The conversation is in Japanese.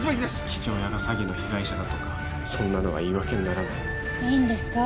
父親が詐欺の被害者だとかそんなのは言い訳にならないいいんですか？